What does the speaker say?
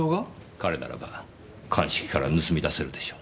彼ならば鑑識から盗み出せるでしょう。